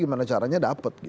gimana caranya dapat gitu